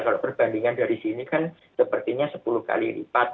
kalau perbandingan dari sini kan sepertinya sepuluh kali lipat